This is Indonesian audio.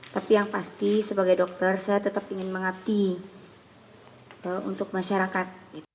tapi yang pasti sebagai dokter saya tetap ingin mengabdi untuk masyarakat